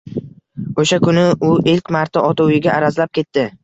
O`sha kuni u ilk marta ota uyiga arazlab ketdi